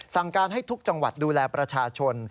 สั่งการให้ทุกจังหวัดดูแลประชาชน